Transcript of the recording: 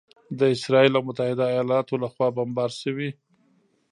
د اسراییل او متحده ایالاتو لخوا بمبار شوي